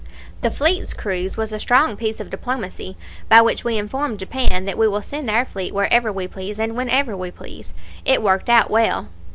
The fleet's cruise was a strong piece of diplomacy, by which we informed Japan that we will send our fleet wherever we please and whenever we please. It worked out well.